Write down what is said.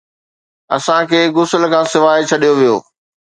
اسان کي غسل کان سواءِ ڇڏيو ويو.